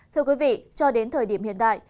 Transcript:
thưa quý vị cho đến thời điểm hiện tại